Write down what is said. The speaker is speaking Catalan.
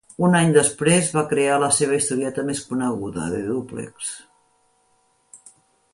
Un any després va crear la seva historieta més coneguda: "The Duplex".